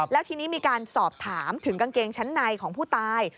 แล้วทีนี้มีการสอบถามถึงกางเกงชั้นในของผู้ตาย